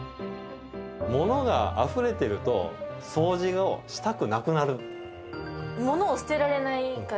物があふれてるとそうじをしたくなくなる。